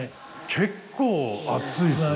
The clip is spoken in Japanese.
結構熱いっすね。